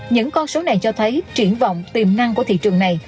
những con số này cho thấy triển vọng tiềm năng của thị trường này